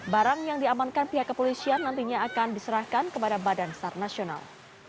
barang yang diamankan pihak kepolisian nantinya akan diserahkan kepada badan sar nasional